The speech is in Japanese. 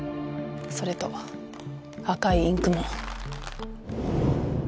それと赤いインクも。